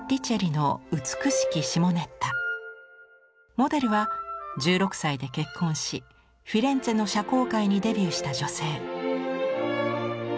モデルは１６歳で結婚しフィレンツェの社交界にデビューした女性。